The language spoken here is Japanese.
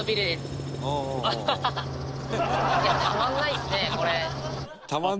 たまんないですねこれ！